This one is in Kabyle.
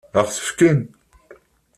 Ad ɣ-t-fken?